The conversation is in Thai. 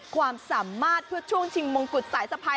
ความสามารถเพื่อช่วงชิงมงกุฎสายสะพาย